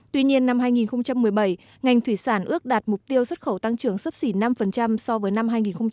tuy nhiên năm hai nghìn một mươi bảy ngành thủy sản ước đạt mục tiêu xuất khẩu tăng trưởng sấp xỉ năm so với năm hai nghìn một mươi bảy